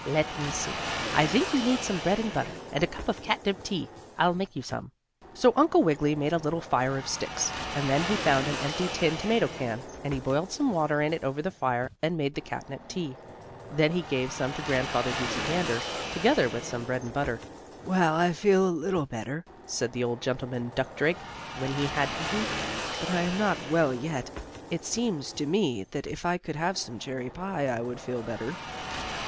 Let me see, I think you need some bread and butter, and a cup of catnip tea. I'll make you some." So Uncle Wiggily made a little fire of sticks, and then he found an empty tin tomato can, and he boiled some water in it over the fire, and made the catnip tea. Then he gave some to Grandfather Goosey Gander, together with some bread and butter. "Well, I feel a little better," said the old gentleman duck drake, when he had eaten, "but I am not well yet. It seems to me that if I could have some cherry pie I would feel better."